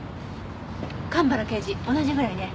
蒲原刑事同じぐらいね。